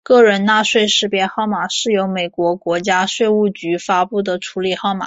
个人纳税识别号码是由美国国家税务局发布的处理号码。